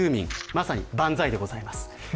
まさに万歳でございます。